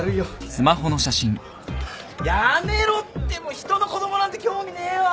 やめろってもう人の子供なんて興味ねえわ。